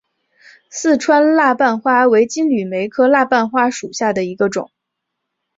四川蜡瓣花为金缕梅科蜡瓣花属下的一个种。